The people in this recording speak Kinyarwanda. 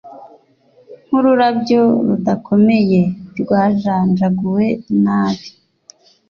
nkururabyo rudakomeye rwajanjaguwe nabi.